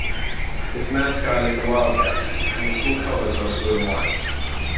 Its mascot is the Wildcats, and the school colors are blue and white.